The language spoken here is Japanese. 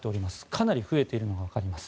かなり増えているのがわかります。